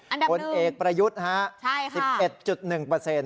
อันดับหนึ่งคนเอกประยุทธ์ฮะ๑๑๑